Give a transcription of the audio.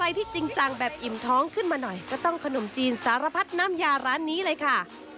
ที่จริงจังแบบอิ่มท้องขึ้นมาหน่อยก็ต้องขนมจีนสารพัดน้ำยาร้านนี้เลยค่ะ